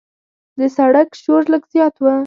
د سړک شور لږ زیات و.